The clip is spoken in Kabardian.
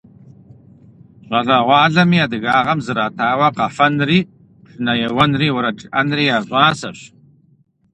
ЩӀалэгъуалэми адыгагъэм зратауэ къэфэнри, пшынэ еуэнри, уэрэд жыӀэнри я щӀасэщ.